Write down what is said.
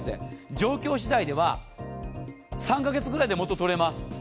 状況次第では３か月ぐらいで元取れます。